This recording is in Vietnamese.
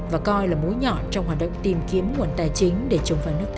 và coi là mối nhọn trong hoạt động tìm kiếm nguồn tài chính để chống phá nước ta